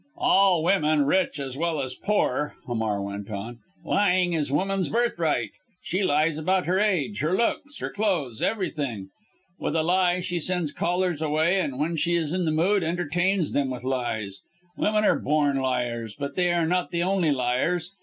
"All women rich as well as poor!" Hamar went on. "Lying is woman's birthright. She lies about her age, her looks, her clothes everything. With a lie she sends callers away, and when she is in the mood, entertains them with lies. Women are born liars, but they are not the only liars.